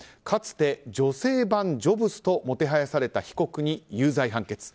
かつて女性版ジョブズともてはやされた被告に有罪判決。